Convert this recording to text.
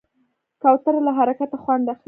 کوتره له حرکته خوند اخلي.